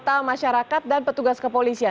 yang kira kira perlu dimiliki